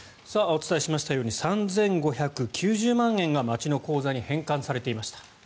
お伝えしましたように３５９０万円が町の口座に返還されていました。